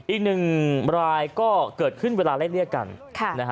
อีกหนึ่งรายก็เกิดขึ้นเวลาเล่นเรียกกัน